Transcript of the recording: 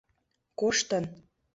Коштын.